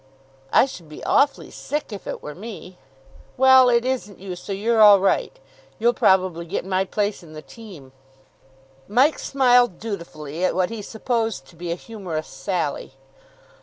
"I should be awfully sick, if it were me." "Well, it isn't you, so you're all right. You'll probably get my place in the team." Mike smiled dutifully at what he supposed to be a humorous sally.